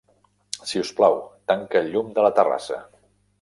Si us plau, tanca el llum de la terrassa.